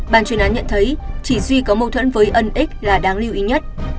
bàn truyền án nhận thấy chỉ duy có mâu thuẫn với ân x là đáng lưu ý nhất